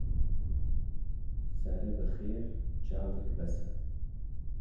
Serê bi xêr çavek bes e